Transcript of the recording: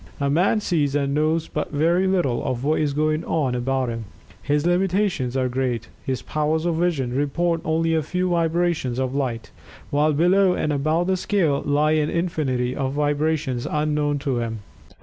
A man sees and knows but very little of what is going on about him. His limitations are great. His powers of vision report only a few vibrations of light, while below and above the scale lie an infinity of vibrations unknown to him.